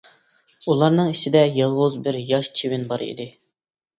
ئۇلارنىڭ ئىچىدە يالغۇز بىر ياش چىۋىن بار ئىدى.